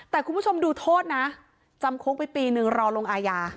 แต่คุณผู้ชมดูโทษนะจำคุกไปปีนึงรอลงอาญา